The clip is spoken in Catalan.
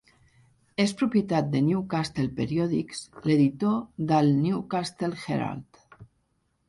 És propietat de Newcastle periòdics, l'editor del Newcastle Herald.